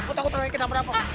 kau takut raya kena merampok